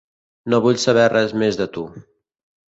No vull saber res més de tu.